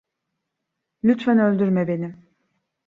Lütfen öldürme beni.